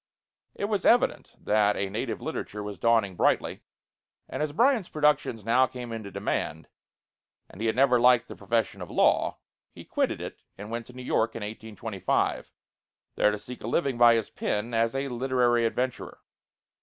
It was evident that a native literature was dawning brightly; and as Bryant's productions now came into demand, and he had never liked the profession of law, he quitted it and went to New York in 1825, there to seek a living by his pen as "a literary adventurer."